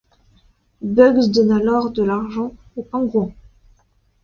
Bugs donne alors de l'argent au pingouin.